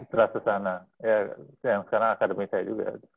putra sesana ya sekarang akademi saya juga